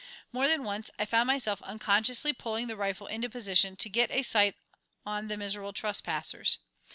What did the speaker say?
More than once I found myself unconsciously pulling the rifle into position to get a sight on the miserable trespassers.